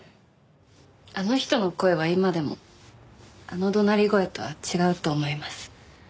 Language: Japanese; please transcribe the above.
あの人の声は今でもあの怒鳴り声とは違うと思います。